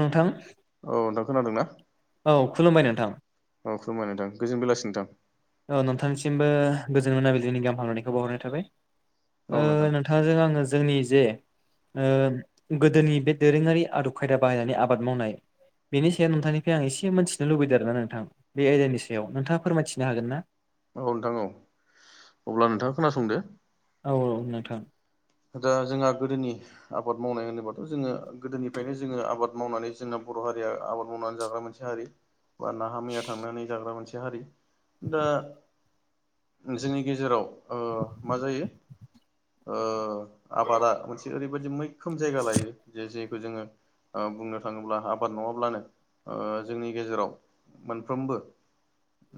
नोंथां औ नोंथां खोनादों ना? औ खुलुमबाय नोंथां औ खुलुमबाय नोंथां गोजोन बेलासि नोंथां औ नोंथांसिमबो गोजोन मोनाबिलिनि गाहाम हामलनायखौ बावहरनाय थाबाय औ नोंथां ओ नोंथा थांजों आङो जोंनि जे ओ गोदोनि बे दोरोङारि आदब खायदा बाहायनानै आबाद मावनाय बेनि सायाव नोंथांनिफ्राय आं एसे मोन्थिनो लुबैदों आरो ना नोंथां बे आयदानि सायाव नोंथाङा फोरमायथि नो हागोन ना? औ नोंथां औ। अब्ला नोंथाङा खोनासंदो औ औ नोंथां दा जोंहा गोदोनि आबाद मावनाय होनोबाथ' जोङो गोदोनिफ्रायनो जोङो आबाद मावनानै जोंना बर' हारिया आबाद मावनानै जाग्रा मोनसे हारि बा नाहा मैया थांनानै जाग्रा मोनसे हारि। दा जोंनि गेजेराव ओ मा जायो ओ आबादा मोनसे ओरैबायदि मैखोम जायगा लायो जे जेखौ जोङो ओ बुंनो थाङोब्ला आबाद नङाब्लानो ओ जोंनि गेजेराव मोनफ्रोमबो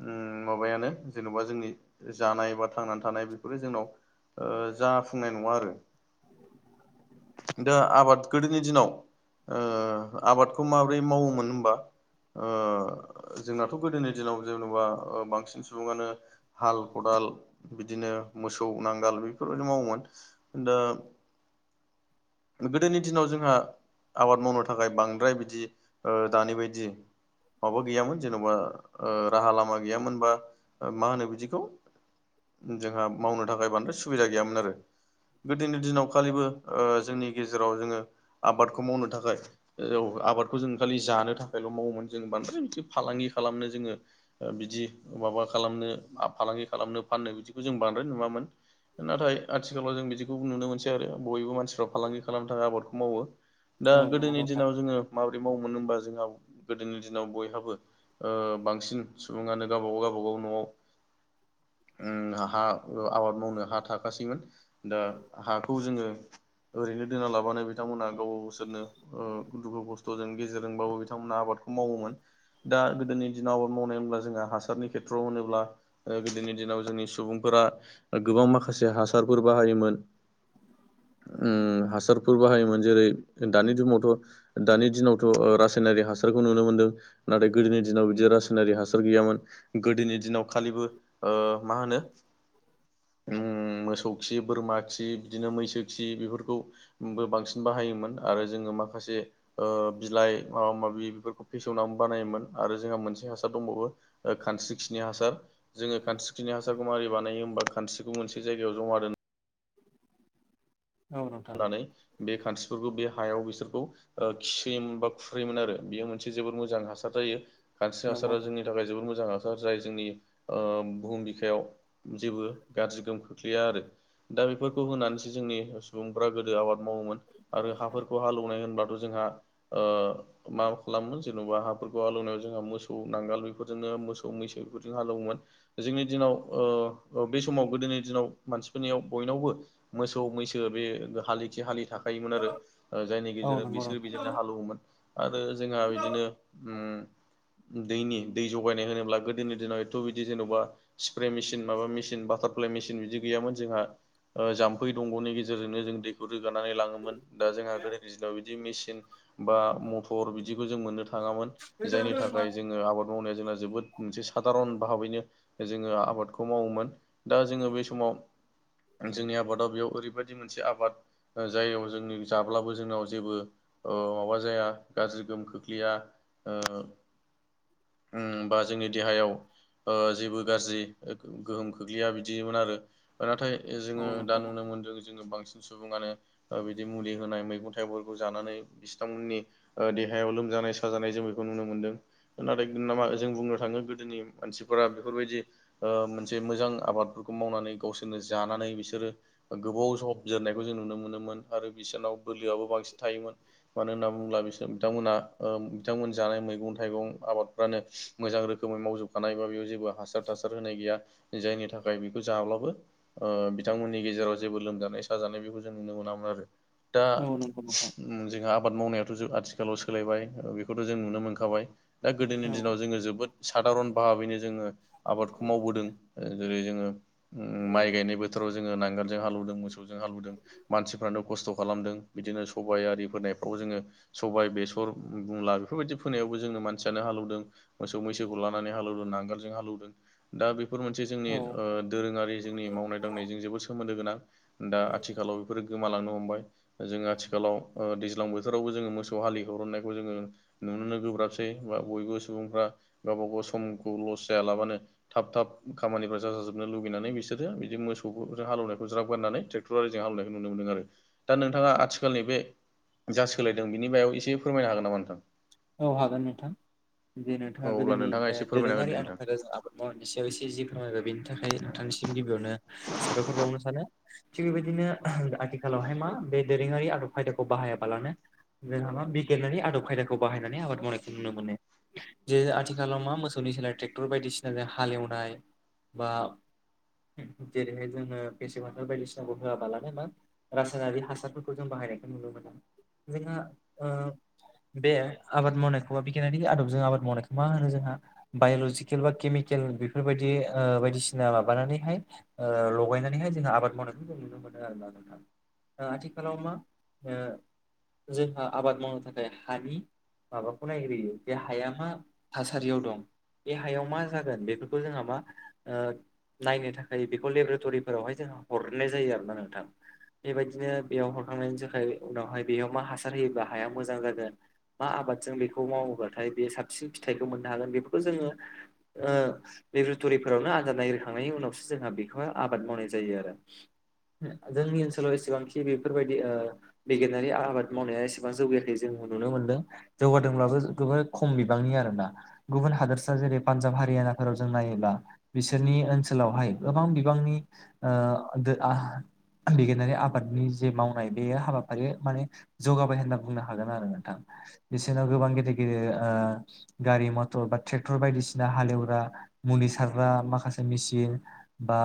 उम माबायानो जेन'बा जोंनि जानाय बा थांनानै थानाय बेफोरो जोंनाव ओ जाफुंनाय नङा आरो। दा आबाद गोदोनि दिनाव ओ आबादखौ माबोरै मावोमोन होनबा ओ जोंनाथ' गोदोनि दिनाव जेन'बा ओ बांसिन सुबुङानो हाल खदाल बिदिनो मोसौ नांगाल बेफोरबायाददि मावोमोन दा गोदोनि दिनाव जोंहा आबाद मावनो थाखाय बांद्राय बिदि ओ दानि बायदि माबा गैयामोन जेन'बा ओ राहा लामा गैयामोन बा मा होनो बिदिखौ जोंहा मावनो थाखाय बांद्राय सुबिदा गैयामोन आरो। गोदोनि दिनाव खालिबो ओ जोंनि गेजेराव जोङो आबादखौ मावनो थाखाय। [unintelligible] आबादखौ जों खालि जानो थाखायल' मावोमोन जों बांद्रायसे फालांगि खालामनो जोङो बिदि माबा खालामनो फालांगि खालामनो फाननो बिदिखौ जों बांद्राय नुवामोन। नाथाय आथिखालाव जों बिदि बेखौ नुनो मोनसै आरो बयबो मानसिफ्रा फालांगि खालामनो थाखाय आबादखौ मावो दा औ नंगौ गोदोनि नोंथां दिनाव जोङो माबोरै मावोमोन होमबा जोंहा गोदोनि दिनाव बयहाबो ओ बांसिन सुबुङानो गावबा-गाव गावबा-गाव न'आव उम हा आबाद मावनो हा थाखासैमोन। दा हाखौ जोङो ओरैनो दोना लाबानो बिथांमोनहा गाव गावसोरनो ओ दुखु खस्थ'जों गेजेरजोंबाबो बिथांमोनहा आबादखौ मावोमोन। दा गोदोनि दिनाव आबाद मावनाय होनब्ला जोंहा हासारनि खेथ्रआव होनोब्ला ओ गोदोनि दिनाव जोंनि सुबुंफोरा गोबां माखासे हासारफोर बाहायोमोन। उम हासारफोर बाहायोमोन जेरै दानि जुमावथ' दानि दिनावथ' रासायनारि हासारखौ नुनो मोन्दों नाथाय गोदोनि दिनाव बिदि रासायनारिक हासार गैयामोन गोदोनि दिनाव खालिबो ओ मा होनो ओम मोसौ खि बोरमा खि बिदिनो मैसो खि बेफोरखौ‌ बो बांसिन बाहायोमोन आरो जोङो माखासे ओ बिलाइ माबा माबि बेफोरखौ फेसेवनानै बानायोमोन आरो जोंहा मोनसे हासार दंबावो ओ खानस्रि खिनि हासार जोङो खानस्रिख्रिनि हासारखौ मारि बानायो होमबा खानस्रिखौ मोनसे जायगायाव जमा दोन औ नोंथां दोननानै बे खानस्रिफोरखौ बे हायाव बिसोरखौ ओ खिहोयोमोन बा खुरहोयोमोन आरो बेयो मोनसे जोबोद मोजां हासार जायो। खानस्रि नंगौ हासारा नोंथां जोंनि थाखाय जोबोर मोजां हा जाय जोंनि ओ बुहुम बिखायाव जेबो गाज्रि गोहोम खोख्लैया आरो। दा बेफोरखौ होनानैसो जोंनि सुबुंफ्रा गोदो आबाद मावोमोन आरो हाफोरखौ हालौवनाय होनब्लाथ' जोंहा ओ मा खालामो जेन'बा हाफोरखौ हालौवनायाव जोंहा मोसौ नांगाल बेफोरजोंनो मोसौ-मैसो बेफोरजों हालौवोमोन। जोंनि दिनाव ओ बे समाव गोदोनि दिनाव मानसिफोरनियाव बयनावबो मोसौ मैसो बे हालिथि हालि थाखायोमोन आरो जायनि औ गेजेरजों नंगौ बिसोरो नोंथां बेजों हालेवोमोन आरो जोंहा बिदिनो उम दैनि दै जगायनाय होनोब्ला गोदोनि दिनाव एथ' बिदि जेन'बा स्प्रे मेसिन माबा मेसिन बाटारफ्लाइ मेसिन बिदि गैयामोन जोंहा जाम्फै दंग'नि गेजेरजों गेजेरजोंनो जों दैखौ रोगानानै लाङोमोन दा जोंहा गोदोनि दिनाव बिदि मेसिन बा म [unintelligible] बिदिखौ जों मोननो थाङामोन जायनि थाखाय जोङो आबाद। मावनाया जोंना जोबोद मोनसे साधारन भाबैनो जोङो आबादखौ मावोमोन। दा जोङो बे समाव जोंनि आबादाव बेयाव ओरैबायदि मोनसे आबाद जाययाव जोंनि जाब्लाबो जोंनाव जेबो ओ माबा जाया गाज्रि गोहोम खोख्लैया ओ ओम बा जोंनि देहायाव ओ जेबो गाज्रि ओ गोहोम खोख्लैया बिदिमोन आरो। राथाय औ जोङो नंगौ दा नोंथां नुनो मोनदों जोङो बांसिन सुबुङानो ओ बिदि मुलि होनाय मैगं थाइगंफोरखौ जानानै बिस्थांमोननि ओ देहायाव लोमजानाय साजानाय जों बेखौ नुनो मोन्दों। नाथाय नामा जों बुंनो थाङो गोदोनि मानसिफोरा बेफोरबायदि ओ मोनसे मोजां आबादफोरखौ मावनानै गावसोरनो जानानै बिसोरो गोबाव [unintelligible] जोरनायखौ जों नुनो मोनोमोन आरो बिसोरनाव बोलोआबो बांसिन थायोमोन। मानो होनना बुङोब्ला बिसोर बिथांमोना ओ बिथांमोन जानाय मैगं-थाइगं आबादफ्रानो मोजां रोखोमै मावजोबखानाय बा बेयाव जेब्ला हासार थासार होनाय गैया जायनि थाखाय बेखौ जाब्लाबो ओ बिथांमोननि गेजेराव जेबो लोमजानाय निसा जानाय बेखौ जों नुनो मोनामोन आरो। दा औ नंगौ नोंथां ओम जोंहा आबाद मावनायाथ' ज आथिखालाव सोलायबाय बेखौथ' जों नुनो मोनखाबाय। दा गोदोनि औ दिनाव जोङो जोबोद सादारन भाहाबैनो जोङो आबादखौ मावबोदों। जेरै जोङो उम माइ गायनाय बोथोराव जोङो नांगारजों हालेवदों, मोसौ जों हालुदों मानसिफ्रानो खस्थ' खालामदों बिदिनो सबाय आरि फोनायफ्राव जोङो सबाय, बेसर बुंला बेफोरबायदि फोनायावबो जोंनो मानसियानो हालेवदों मोसौ मैसोखौ लानानै हालौदों, नांगालजों हालौदों। दा बेफोर मोनसे जोंनि औ ओ दोरोङारि जोंनि मावनाय दांनायजों जोबोद सोमोन्दो गोनां। दा आथिखालाव बेफोरो गोमालांनो हमबाय। जोङो आथिखालाव ओ दैज्लां बोथोरावबो जोङो मोसौ हालि हुरननायखौ जोङो नुनोनो गोब्राबसै, बा बयबो सुबुंफ्रा गावबा गाव समखौ लस जायालाबानो थाब थाब खामानिफ्रा जाजाजोबनो लुुबैनानै बिसोरो बिदि मोसौखौ हालौनायखौ ज्राब गारनानै ट्रेक्टर आरिजों हालौनायखौ नुनो मोनदों आरो। दा नोंथाङा आथिखालनि बे जा सोलायदों बिनि बायाव एसे फोरमायनो हागोन नामा नोंथां? औ हागोन नोंथां, जे नोंथाङा औ अब्ला गोदोनि नोंथाङा एसे फोरमायना होदो दोरोङारि आदब नोंथां खायदाजों आबाद मुवानि सायाव एसे जि फोरमायबाय बेनि थाखाय नोंथांनिसिम गिबियावनो साबायखर बावनो सानो। थिग बेबायदिनो आथिखालावहाय मा बे दोरोङारि आदब खायदाखौ बाहायाबालानो जोंहा मा बिगियानारि आदब खायदाखौ बाहायनानै आबाद मावनायखौ नुनो मोनो। जे आथिखालाव मा मोसौनि सोलाय ट्रेक्टर बायदिसिना हालेवनाय, बा जेरैहाय जोङो बेेसे बोथोर बायदिसिनाखौ होआबालानो मा रासायनारि हासारफोरखौ जों बाहायनायखौ नुनो मोनो। जोंहा ओ बे आबाद मावनायखौ बा बिगियानारि आदबजों आबाद मावनायखौ मा होनो जोंहा बायलजिकेल बा केमिकेल बेफोरबायदि ो ओ बायदिसिना माबानानैहाय ओ लगायनानैहाय जोंहा आबाद मावनायखौ जों नुनो मोनो आरो ना नोंथां। ओ आथिखालाव मा ओ जोंहा आबाद मावनो थाखाय हानि माबाखौ नायग्रोयो बे हाया मा थासारियाव दं बे हायाव मा जागोन बेफोरखौ जोंहा मा ओ नायनो थाखाय बेखौ लेबरेटरिफोरावहाय जोंहा हरनाय जायो आरो ना नोंथां। बेबायदिनो बेयाव हरखांनायनि थाखाय उनावहाय बेयाव मा हासार होयोबा हाया मोजां जागोन मा आबादजों बेखौ मावोब्लाथाय बे साबसिन फिथाइखौ मोननो हागोन बेफोरखौ जोङो ओ लेबरेटरिफोरावनो आनजाद नायग्रोखांनायनि उनावसो जोंहा बेखौ आबाद मावनाय जायो आरो। ओ जोंनि ओनसोलाव एसेबांखि बेफोरबायदि ओ बिगियानारि आबाद मावनाया एसेबां जौगायाखै जों नुनो मोनदों। जौगादोंब्लाबो गोबो खम बिबांनि आरोना। गुबुन हादोरसा जेरै पान्जाब हारियानाफोराव जों नायोब्ला बिसोरनि ओनसोलावहाय गोबां बिबांनि ओ दो आ बिगिनारि आबादनि जे मावनाय बेयो हाबाफारिया माने जौगाबाय होनना बुंनो हागोन आरो। नोंथां बिसोरनाव गोबां गिदिर गिदिर ओ गारि मथर बा ट्रेक्टर बायदिसिना हालेवग्रा मुलि सारग्रा माखासे मेसिन बा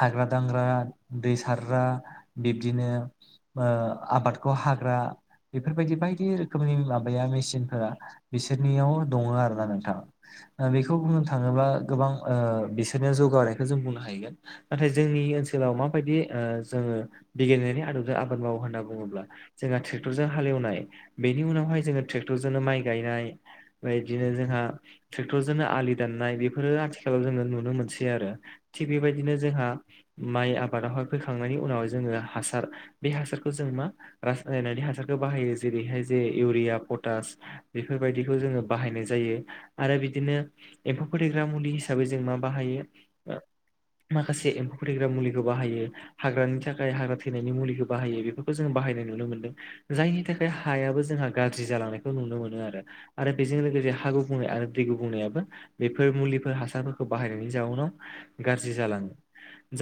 हाग्रा दांग्रा दै सारग्रा बिब्दिनो ओ आबादखौ हाग्रा बेफोरबायदि बायदि रोखोमनि माबाया मेचिनफोरा बिसोरनियाव दङो आरो ना नोंथां। ओ बेखौ बुंनो थाङोब्ला गोबां ओ बिसोरनो जौगानायखौ जों बुंनो हायो। नाथाय जोंनि ओनसोलाव माबायदि जोङो बिगियनायनि आदबजों आबाद मावो होन्ना बुङोब्ला जोंहा थ ट्रेक्टरजों हालेवनाय बेनि उनावहाय जोङो ट्रेक्टरजोंनो माइ गायनाय बेदिनो जोंहा ट्रेक्टरजोंनो आलि दाननाय बेफोरो आथिखालाव जोङो नुनो मोनसै आरो थिग बेबायदिनो जोंहा माइ आबादावहाय फैखांनायनि उनाव जोङो हासार बे हासारखौ जों मा रासनानै हासार सारखौ बाहायो जेरैहाय जे इउरिया पटास बेफोरबायदिखौ जोङो बाहायनाय जायो आरो बिदिनो एम्फौ फोथैग्रा मुलि हिसाबै जों मा बाहायो माखासे एम्फौ फोथैग्रा मुलिखौ बाहायो हाग्रानि थाखाय हाग्रा थैनायनि मुलिखौ बाहायो बेफोरखौ जोंङो बाहायनाय नुनो मोनदों जायनि थाखाय हायाबो जोंहा गाज्रि जालांनायखौ नुनो मोनो आरो आरो बेजों लोगोसे हा गुबुंनाय आरो दै गुबुंनायाबो बेफोर मुलिफोर हासारफोरखौ बाहायनायनि जाउनाव गाज्रि जालाङो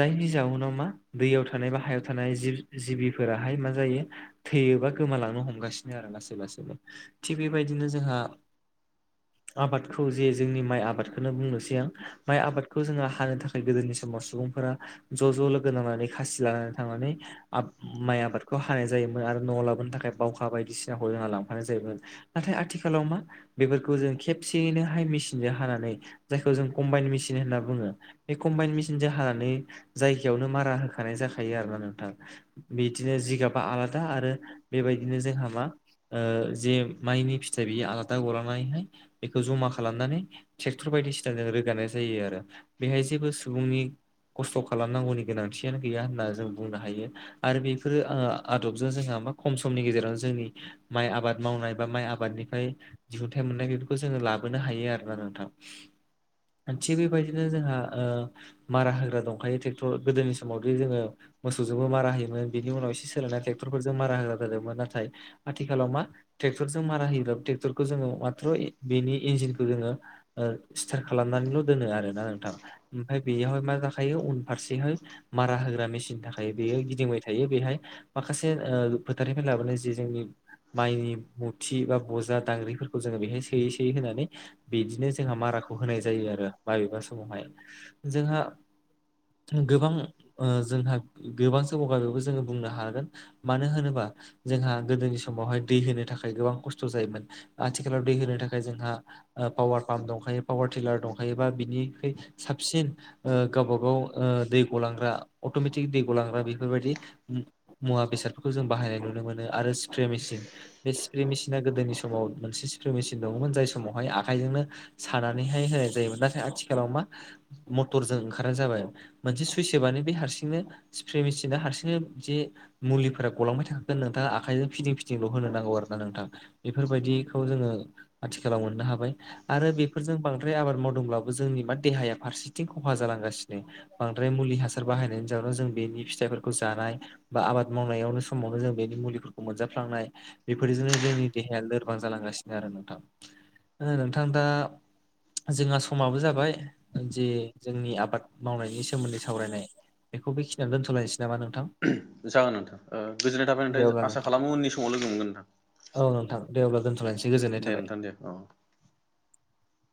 जायनि जाउनाव मा दैयाव थानाय बा हायाव थानाय जिब जिबिफोराहाय मा जायो थैयोबा गोमालांनो हमगासिनो आरो लासै लासैनो थिग बेबायदिनो जोंहा आबादखौ जे जोंनि माइ आबादखौनो बुंनोसै आं माइ आबादखौ जोङो हानो थाखाय गोदोनि समाव सुबुंफोरा ज' ज' लोगो नांनानै खासि लानानै थांनानै माइ आबादखौ हानाय जायोमोन आरो न' लाबोनो थाखाय बावखा बायदिसिनाखौ जोंना लांफानाय जायोमोन नाथाय आथिखालाव मा बेफोरखौ जों खेबसेयैनोहाय मेसिनजों हानानै जायखौ जों कम्बाइन मेसिन होनना बुङो बे कम्बाइन मेसिनजों हानानै जायगायावनो मारा होखानाय जाखायो आरोना नोंथां बिदिनो जिगाबा आलादा आरो बेबायदिनो जोंहा मा ओ जे माइनि फिथाइ बियो आलादा गलांनानैनो बेखौ जमा खालामनानै ट्रेक्टर बायदिसिना जों रोगानाय जायो आरो बेहाय जेबो सुबुंनि खस्थ खालामनांगौनि गोनांथियानो गैया होनना जों बुंनो हायो आरो बेफोरो आदबजों जोंहा मा खम समनि गेजेरावनो जोंनि माइ आबाद मावनाय बा माइ आबादनिफ्राय दिहुथाइ मोननाय बेफोरखौ जोङो लाबोनो हायो आरोना नोंथां थिग बेबायदिनो जोंहा ओ मारा होग्रा दंखायो ट्रेक्टर गोदोनि समावदि जोङो मोसौजोंबो मारा होयोन बिनि उनाव एसे सोलायनाय ट्रेक्टरफोरजों मारा होग्रा नाथाय आथिखालाव मा ट्रेकटरजों मारा होयो क्टरखौ जोङो माथ्र बेनि इन्जिन जोङो स्टार खालामनानैल दोनो आरोना नोंथां ओमफ्राय बेयावहाय मा जाखायो उनफारसेहाय मारा होग्रा मेसिन थाखायो बेयो गिदिंबाय थायो बेहाय माखासे ओ फोथारफ्राय लाबोन जे जोंनि माइनि फुरथि बा बजा दांग्रिफोरखौ जोङो बेहाय सोयै सोयै होनानै बिदिनो जोंहा माराखौ होनाय जायो आरो माबेबा समावहाय जोंहा गोबां जोंहा गोबांसो जौगाबायबो जोङो बुंनो हागोन मानो होनो जोंहा गोदोनि समावहाय दै होनो थाखाय गोबां खस्थ जायोमोन। आथिखालाव दै होनो थाखाय जोंहा ओ पावार पाम्प दंखायो, पावार टिलार दंखायोबा बिनि साबसिन ओ गावबा गाव ओ दै गलांग्रा अटमेटिक दै गलांग्रा बेफोरबायदि मुवा बेसादफोरखौ जों बाहायनाय नुनो मोनो आरो स्प्रे मेसिन बे स्प्रे मेसिना गोदोनि समाव मोनसे स्प्रे मेसिन दङमोन। जाय समावहाय आखाइजोंनो सानानैहाय होनाय जायोमोन। नाथाय आथिखालाव मा मटरजों ओंखारनाय जाबाय मोनसे सुइस होबानो बे हारसिंनो स्प्रे मेसिना हारसिंनो जे मुलिफोरा गलांबाय थाखागोन नोंथाङा आखाइजों फिदिं फिदिंल होनो नांगौ आरो ना नोंथां। बेफोरबायदिखौ जोङो आथिखालाव मोननो हाबाय आरो बेफोरजों बांद्राय आबाद मावदोंब्लाबो जोंनि मा देहाया फारसेथिं खहा जालांगासिनो बांद्राय मुलि हासार बाहायनायनि जाउनाव जों बेनि फिथाइफोरखौ जानाय बा आबाद मावनायावनो समावनो जों बेनि मुलिफोरखौ मोनजाफ्लांनाय बेफोरजोंनो जोंनि देहाया गोबां जालांगासिनो आरो नोंथां नोंथां दा जोंहा समाबो जाबाय जे जोंनि आबाद मावनायनि सोमोन्दै सावरायनाय बेखौ बेखिनियावनो दोनथलायसै नामा नोंथां जागोन नोंथां ओ गोजोननाय थाबाय दे नोंथां अब्ला आसा खालामो उननि समाव लोगो मोनगोन औ दे अब्ला नोंथां। दोनथ'लायनोसै गोजोननाय थाबाय दे नोंथां दे। औ